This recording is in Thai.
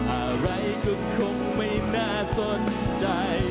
อะไรก็คงไม่น่าสนใจ